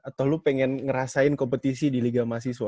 atau lu pengen ngerasain kompetisi di liga mahasiswa